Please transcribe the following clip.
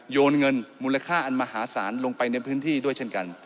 โยนเงินมูลค่าอันมหาศาลลงไปในพื้นที่ด้วยเช่นกัน